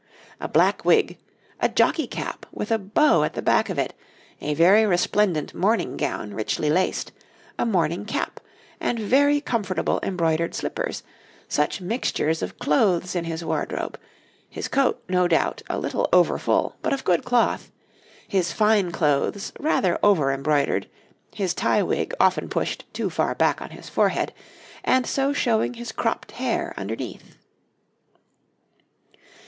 A black wig, a jockey cap with a bow at the back of it, a very resplendent morning gown richly laced, a morning cap, and very comfortable embroidered slippers, such mixtures of clothes in his wardrobe his coat, no doubt, a little over full, but of good cloth, his fine clothes rather over embroidered, his tie wig often pushed too far back on his forehead, and so showing his cropped hair underneath.